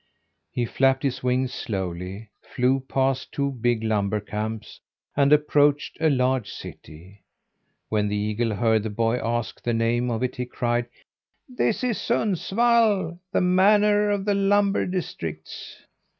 He flapped his wings slowly, flew past two big lumber camps, and approached a large city. When the eagle heard the boy ask the name of it, he cried; "This is Sundsvall, the manor of the lumber districts."